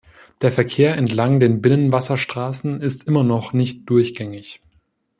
Der Verkehr entlang den Binnenwasserstraßen ist immer noch nicht durchgängig.